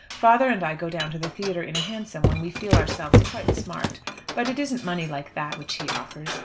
Father and I go down to the theatre in a hansom, when we feel ourselves quite smart. But it isn't money like that which he offers.